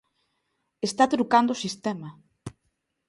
Está trucando o sistema.